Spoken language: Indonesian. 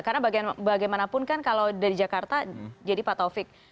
karena bagaimanapun kan kalau dari jakarta jadi patofik